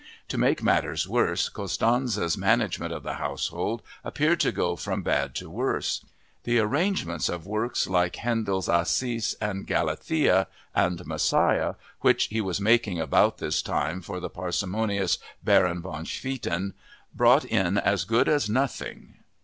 To make matters worse Constanze's management of the household appeared to go from bad to worse. The arrangements of works like Handel's Acis and Galathea and Messiah, which he was making about this time for the parsimonious Baron van Swieten, brought in as good as nothing.